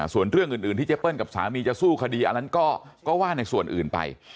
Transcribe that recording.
ส่วนเรื่องอื่นที่เจเปิ้ลกับสามีจะสู้คดีอันนั้นก็ว่าในส่วนอื่นไป